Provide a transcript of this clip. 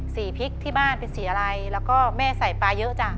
สีพริกที่บ้านเป็นสีอะไรแล้วก็แม่ใส่ปลาเยอะจ้ะ